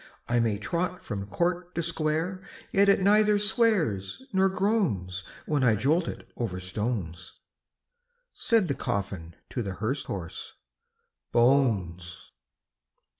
I may trot from court to square, Yet it neither swears nor groans, When I jolt it over stones." Said the coffin to the hearse horse, "Bones!"